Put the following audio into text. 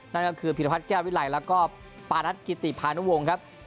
นั่นก็คือพิรพัฒนแก้ววิไลแล้วก็ปารัฐกิติพานุวงศ์ครับ